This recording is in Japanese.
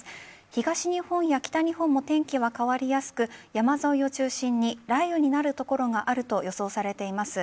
東日本や北日本も天気は変わりやすく山沿いを中心に雷雨になる所があると予想されています。